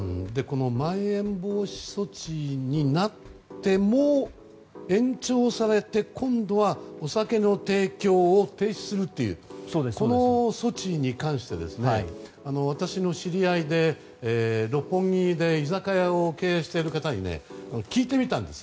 まん延防止措置になっても延長されて、今度はお酒の提供を停止するというこの措置に関して私の知り合いで六本木で居酒屋を経営している方に聞いてみたんですよ。